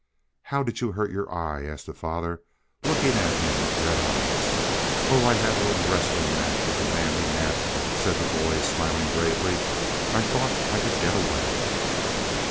"How did you hurt your eye?" asked the father, looking at him with red eyes. "Oh, I had a little wrestling match with the man who nabbed me," said the boy, smiling bravely. "I thought I could get away."